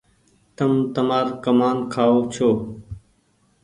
تم تمآر ڪمآن کآئو ڇو